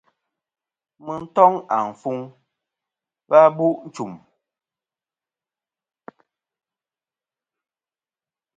Mɨ toŋ àfuŋ a v̀ bu' nchum.